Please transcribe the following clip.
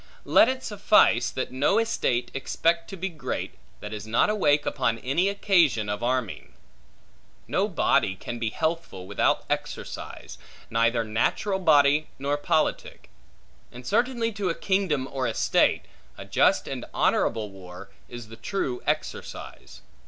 Let it suffice, that no estate expect to be great, that is not awake upon any just occasion of arming. No body can be healthful without exercise, neither natural body nor politic; and certainly to a kingdom or estate, a just and honorable war, is the true exercise.